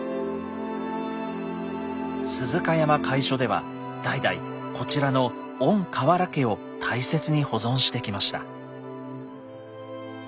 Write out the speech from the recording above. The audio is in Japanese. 鈴鹿山会所では代々こちらの「御土器」を大切に保存してきました。